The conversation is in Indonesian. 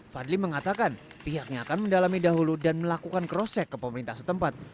fadli mengatakan pihaknya akan mendalami dahulu dan melakukan cross check ke pemerintah setempat